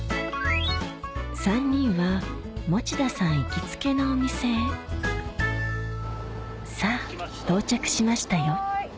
３人は持田さん行きつけのお店へさぁ到着しましたよ